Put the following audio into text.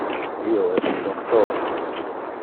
Io es un doctor.